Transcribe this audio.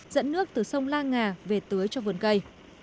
dẫn nước từ sông lan ngà về tưới cho vườn cây